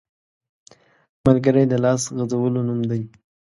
ملګری د لاس غځولو نوم دی